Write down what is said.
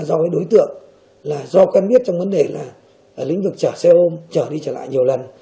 do cái đối tượng do con biết trong vấn đề là lĩnh vực chở xe ôm chở đi chở lại nhiều lần